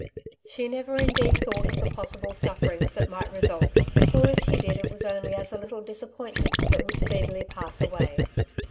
She never indeed thought of the possible suffer ings that might result, or if she did it was only as a little disappointment that would speedily pass away.